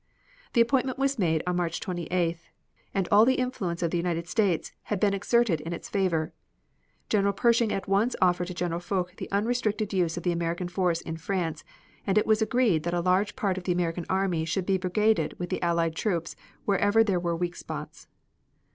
The appointment was made on March 28th and all the influence of the United States had been exerted in its favor. General Pershing at once offered to General Foch the unrestricted use of the American force in France and it was agreed that a large part of the American army should be brigaded with the Allied troops wherever there were weak spots.